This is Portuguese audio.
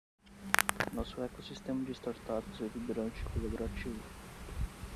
Nosso ecossistema de startups é vibrante e colaborativo.